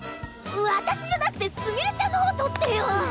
私じゃなくてすみれちゃんの方撮ってよ。